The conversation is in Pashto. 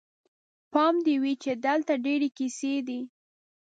پام دې وي چې دلته ډېرې کیسې دي.